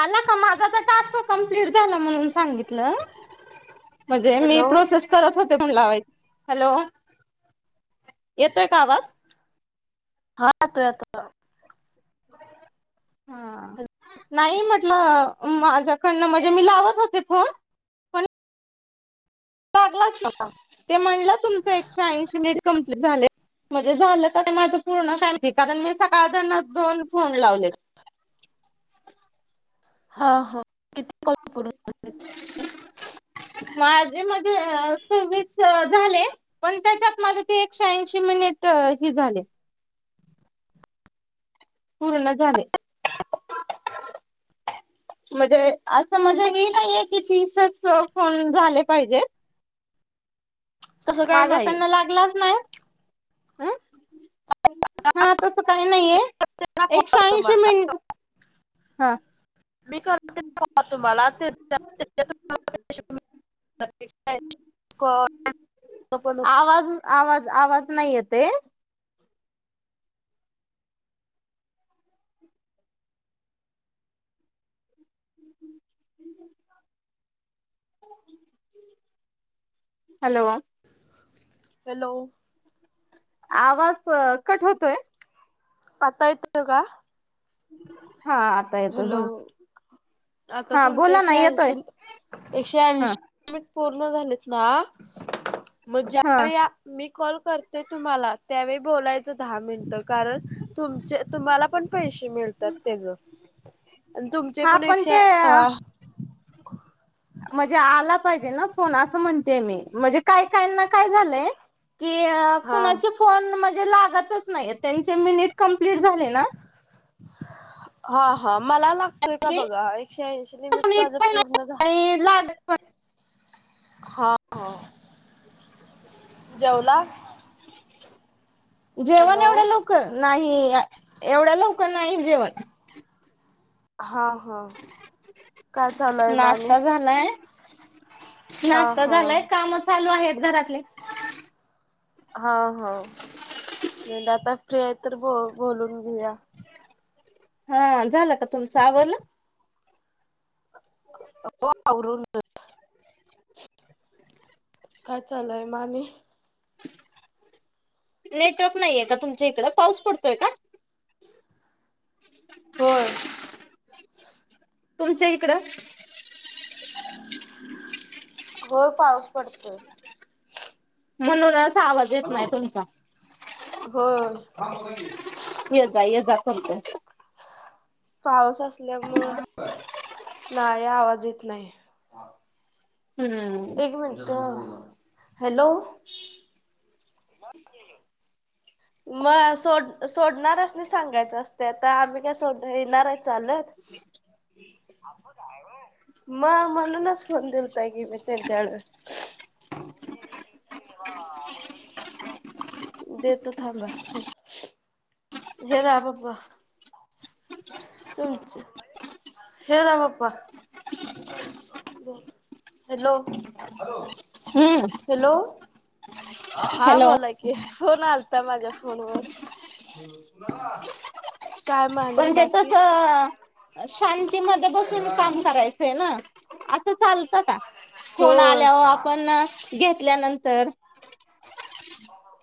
आला का? माझा तर टास्क कमप्लीट झाला म्हणून सांगितलं. म्हणजे मी हॅलो प्रोसेस करत होते फोन लावायच हॅलो, येतोय का आवाज? हा येतो आता. हां. हॅलो ह नाही म्हटलं, माझ्याकडनं म्हणजे मी लावत होते फोन पण ते [unintelligible] म्हणल तुमच एकशे ऐंशी मिनिट कमप्लीट झालय म्हणजे झालं का माझ पूर्ण काय माहित? कारण मी सकाळ दरन दोन फोन लावलेत. हा हा, किती कॉल करू [inaudible] माझे मध्ये अ सव्वीस झाले. पण त्याच्यात माझ ते एकशे ऐंशी मिनिट हे झाले. पुर्ण झाले. म्हणजे असं म्हणजे हे नाहीये की, तीसच कॉल झाले पाहिजे. तसं काय नाही माझ्याकडन लागलाच नाही. आ, हा तस काही नाहीये. करा कॉल एकशे ऐंशी तुम्हाला मिनिट, हां मी करते कॉल तुम्हाला, ते ते एकशे ऐंशी मिनिट पुर्ण झाल की [unintelligible] कॉल पण [unintelligible] आवाज, आवाज, आवाज, नाही येतय. हॅलो. हॅलो आवाज कट होतोय. आता येतोय का? हा. येतोय हॅलो, बोल आता हा तुमचे बोला ना एकशे येतोय ऐशी, एकशे हा ऐशी वीस पूर्ण झालेत ना, मग हा ज्यावेळी मी कॉल करते तुम्हाला त्यावेळी बोलायचं दहा मिनटं, कारण तुमचे तुम्हाला पण पैसे मिळतात त्याज, आणि तुमचे हा पण एकशे ते आ म्हणजे आला पाहिजे ना फोन असं म्हणतेय मी, म्हणजे काही काहींना काय झालंय की, हा कुणाचे फोन म्हणजे लागतच नाही त्यांचे मिनट कम्पलीट झालेत ना हा हा मला लागतोय का जी बघा, एकशे ऐंशी ल पण मट येत भाज पण पूर्ण नाही झा आणि लागत पण हा, जेवला? जेवण हॅलो एवढ्या लवकर नाही, एवढ्या लवकर नाही जेवत. हा-हा काय चालय मामी? कणाय, नाश्ता हा झालाय काम चालू आहेत घरातले. हा हो,, [unintelligible] आता फ्री आहे तर बोलून घेऊया. हा, झालं का तुमचं आवरलं? हो आवरून [unintelligible] काय चालंय मामी? नेटवर्क नाही आहे का तुमच्या इकडं, पाऊस पडतोय का? होय. तुमच्या इकडं? व्हय पाऊस पडतोय. म्हणूनच आवाज येत नाही तुमचा. हो. हा बोला की, येजा-येजा [unintelligible] पाऊस असल्यामुळे नाही, आवाज येत नाही. हम्म एक मिनिटं, हॅलो. मग सोड सोडणाऱ्यांसनी सांगायचं असते आता. आम्ही काय सोड येणार आहे चालत. [inaudible] म म्हणूनच फोन दिलताय की मी त्यांच्याकळ. देतो थांबा. हे रा पप्पा. तुमचे हे रा पप्पा. Hello, hello. हम्म, हा हॅलो बोला कि, फोन आलता माझ्या फोन वर. पण ते कसं शांतीमध्ये बसून काम करायचंय ना, असं चालतं का? हो फोन आल्यावर आपण घेतल्यानंतर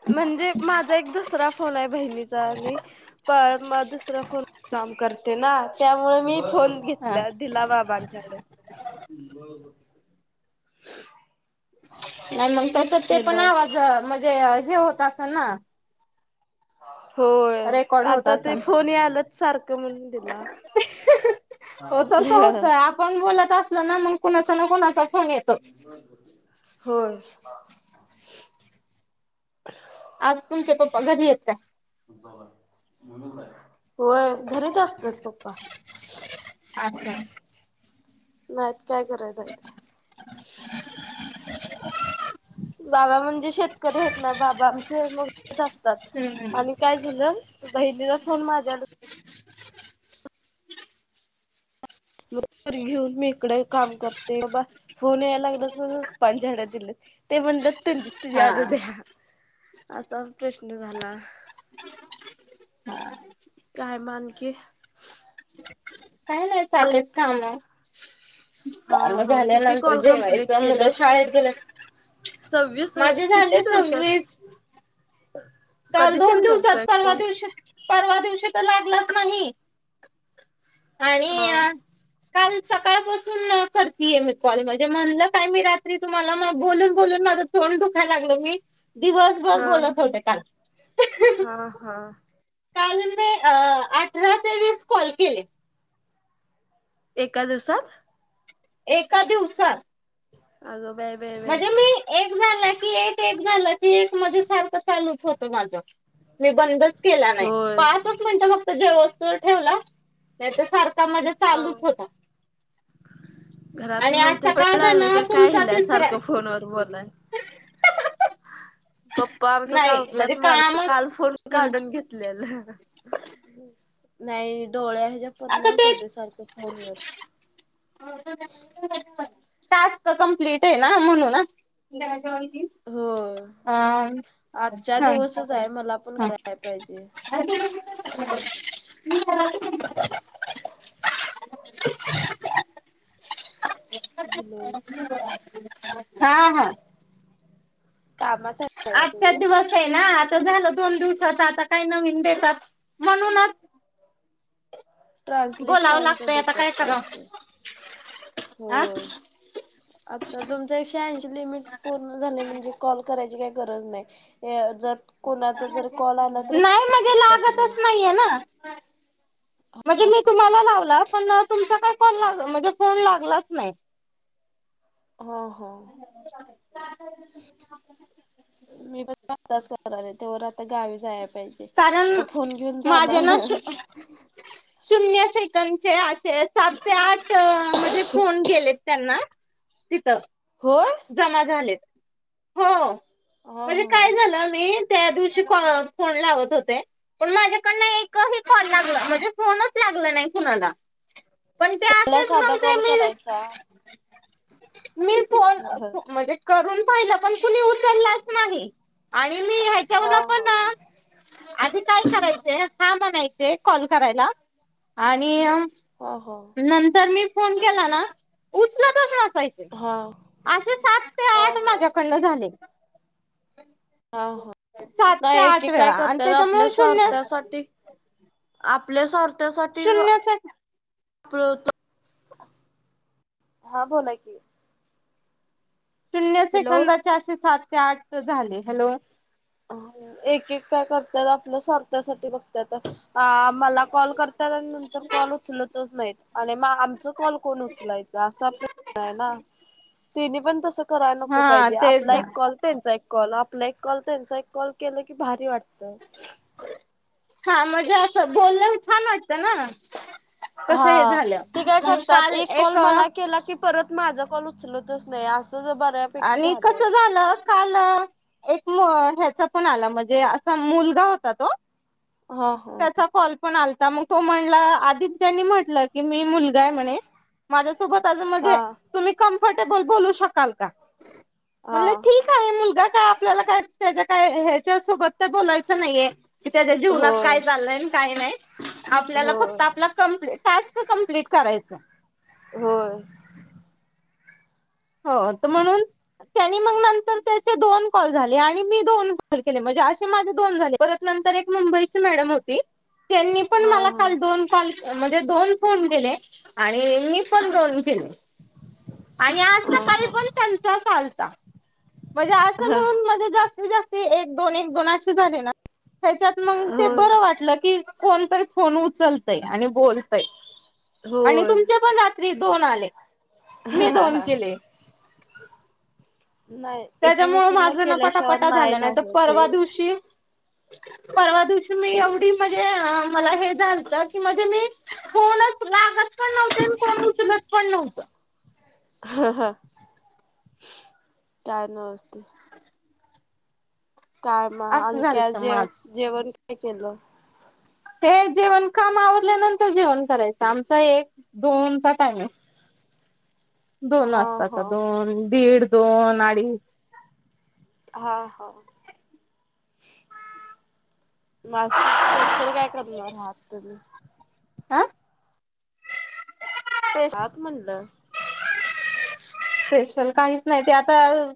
म्हणजे माझा एक दुसरा फोन आहे बहिणीचा आणि पण मग दुसरा फोन काम करते ना, त्यामुळे मी फोन हा घेतला, दिला बाबांच्याकडं नाही मग तसं ते पण हॅलो आवाज म्हणजे हे होत असल ना, होय, रेकॉर्ड होत आता ते असेल फोन यालात सारखं म्हणून दिला. हो तस होतंय. आपण बोलत असलो ना मग कुणाचा ना कुणाचा फोन येतो. होय. आज तुमचे पप्पा घरी हेत काय? होय घरीच असतात पप्पा. आसं नाहीत, काय करायचेयत. बाबा म्हणजे शेतकरी आहेत ना, बाबा आमचे मग असतात. हम्म आणि काय झालं? बहिणीला फोन माझ्या मग घरी घेऊन मी इकडे काम करते बबा. फोन यायला लागलं तर पप्पाच्याकडं दिलेत ते म्हणलेत हा तिच्याकड द्या. असा प्रश्न झाला. काय मग आणखी? काय नाही चाललेत छान आहे. हा हा, किती कॉल कप्लीट जेवायचं मुलं केलं. शाळेत गेलं सव्वीस, माझे किती झाले दिवसातं? सव्वीस काल दोन दिवसात, परवा दिवशी. परवा दिवशी त लागलाचं नाही हा आणि काल सकाळपासून करतीये मी कॉल म्हणजे म्हणलं काय मी रात्री तुम्हाला मगं बोलून बोलून माझ तोडं दुखाय लागलं. मी दिवसभर हा बोलत होते काल. हा हा, राते वीस कॉल केले. एका दिवसात. एका दिवसातं आग म्हणजे मी. एक झालं की एक, एक झालं की एक मध्ये सारखं चालूच होत माझं, मी बंदच केला नाही होय पाचच मिनटं फक्त जेवूसतवर ठेवला, नाही तर सारखा माझ्या हा चालूचं होता आणि घरातली आज सकाळ दरनं तुमचाच फोन वर बोलाय पप्पा आमच नाही म्हणजे कावत्यात मला, काम काल फोनं हम्म काढून घेत घेतल्याल, नाही डोळ्या ह्याच्या आता परिणाम ते पडतो सारख फोन वर टास्क कम्प्लीट आहे ना म्हणून हा हो आजच्या आ, दिवसच आहे मला पण कराय हा पाहिजे हा [inaudible] हॅलो [unintelligible] हा हा कामात आहे का आजचा तुम्ही दिवस आहे ना, आता झालं दोन दिवसाचं आता काही नवीन देतात म्हणूनच [inaudible] ट्रान्सलेशन बोलावं पाहुन त लागतंय आता देत्यात काय करावं टास्क, हा होय. आता तुमच एकशे ऐंशी लिमिट पूर्ण झाले, म्हणजे कॉल करायची काही गरज नाही. हे, जर कोणाचा जर कॉल आला तर उचलू शकता तुम्ही. नाहिये ना. बास. म्हणजे मी तुम्हाला लावला पण अ तुमचा काय कॉल लाग, म्हणजे फोन लागलाच नाही. हा हा मी पण आताच करणार आहे तेवर आता गावी जाया पाहिजे. कारण, आता फोन घेऊन जाणार माझ्या ना सु शून्य सेकदं चे असे सात ते आठ त म्हणजे फोन गेलेत त्यांना तिथं. होय. जमा झालेतं, हो हा म्हणजे हा. काय झालं मी त्या दिवशी कॉ फोन लावत होते पण माझ्याकडनं एकही कॉल लागला, म्हणजे फोनचं लागला नाही कुणाला. पण ते पहिला असेच साधा मंग ते कॉल मी, करायचा मी फोनं ह ह. म्हणजे करून पाहिलं पण कुणी उचलाचं नाही, आणि मी हा ह्याच्यावरन पण अ हा आधी काय करायचे, हा म्हणायचे कॉल करायला? आणि अ हा हा नंतर मी फोन केला ना उचलतच नसायचे. हा. असे सात ते हा आठ हा माझ्या कडन झालेत हा हा सात ते नाही आठ एके वेळा काय आणि करतात आपल्या त्याच्यामुळे शून्य स्वार्थासाठी आपल्या स्वार्थ्यासाठी शून्य से हा बोला की? शून्य हॅलो सेकंदाचे असे सात ते आठ झाले, हॅलो एक-एक काय करत्यात, आपल्या स्वार्थासाठी बघत्यात, आ मला कॉल कर त्यात अन नंतर कॉल उचलत तच नाहीत, आणि म आमच कॉल कोण उचलायचा असा प्रश्न आहे ना? तेनी पण तसं करायला नको हा पाहिजे. तेच आपला एक कॉल त्यांचा एक कॉल आपला एक कॉल. त्यांचा एक कॉल केल की, भारी वाटतं. हा, म्हणजे असं छान वाटत ना. तसं हे हा, झालं ते काय मग करतात काल एक कॉल मला केला की, परत माझा कॉल उचलतच नाही असं ज बर्‍याच. आणि कसं झालं. काल एक मु ह्याचा पण आला म्हणजे असा मुलगा होता तो. हा हा त्याचा कॉल पण आलता म तो म्हणला आधी त्यांनी म्हटल. की, मी मुलगा आहे म्हणे माझ्यासोबत आज म्हणजे हा तुम्ही कम्फर्टेबल बोलू शकाल का? म्हणलं हा ठीक आहे. मुलगा काय आपल्याला काय त्याच्या काय ह्याच्या सोबत तर नाहीये. की, त्याच्या जीवनात होय काय चाललंय काय नाही आपल्याला फक्त होय आपला कंप्लेट टास्क. हो, कम्प्लीट करायचं. होय. हो, त म्हणून. त्यांनी मग नंतर त्याचे दोन कॉल झाले आणि मी दोन कॉल केले म्हणजे असे माझे दोन झाले परत. नंतर म एक मुंबई चि मॅडम होती. त्यांनी पण हा मला काल मला दोन कॉल. म्हणजे दोन फोन केले. आणि मी पण दोन केले. आणि आज अ ह, सकाळी पण त्यांचाच आलता म्हणजे असं म्हणून मध्ये जास्तीत जास्ती एक दोन एक दोन अे झाले ना. त्याच्यात मग ते होय बरं वाटलं की, कोणतरी फोन उचलतय आणि बोलतय. आणि होय तुमचे पण रात्री दोन आले. हा मी दोन हा, केले नाही. त्याच्यामुळे एकीमेकीला माझ ना केल्याशिवाय पटापटा झाल. ना नाही त होत हे परवा दिवशी. परवा दिवशी मी एवढी म्हणजे मला हे झालत की, मध्ये मी. फोनच लागत पण नव्हते. अन उचलत पण नव्हत. ह ह, काय नाय व्यवस्थित. काय म असं आणखी झालत जेव माझ जेवण ते काय केलं. ते जेवण काम आवरल्यानंतर जेवण करायचं आमचा एक दोनचा टाईमीग. दोन हा वासताचा हा दोन दीड दोन अडीच. हा हा [inaudible] नाशिक चि काय करणार आहात तुम्ही? आ, [unintelligible] स्पेशल काहीच नाही ते आता.